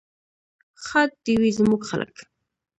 ښاد دې وي زموږ خلک.